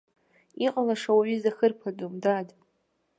Иҟалаша уаҩы изахырԥаӡом, дад.